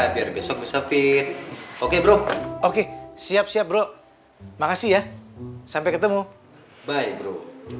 biar besok besokin oke bro oke siap siap bro makasih ya sampai ketemu by bro